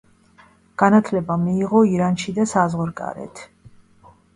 განათლება მიიღო ირანში და საზღვარგარეთ.